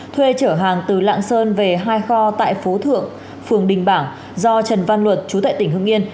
thuê trở hàng từ lạng sơn về hai kho tại phố thượng phường đình bảng do trần văn luật chú tệ tỉnh hương yên